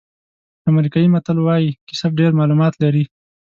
امریکایي متل وایي کیسه ډېر معلومات لري.